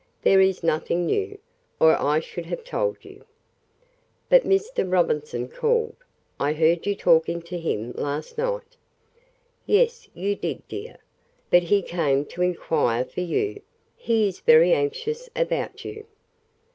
There is nothing new, or I should have told you." "But Mr. Robinson called I heard you talking to him last night." "Yes, you did, dear. But he came to inquire for you. He is very anxious about you."